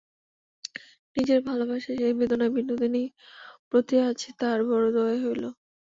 নিজের ভালোবাসার সেই বেদনায় বিনোদিনীর প্রতি আজ তাহার বড়ো দয়া হইল।